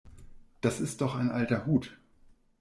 Das ist doch ein alter Hut.